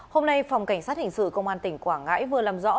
hôm nay phòng cảnh sát hình sự công an tỉnh quảng ngãi vừa làm rõ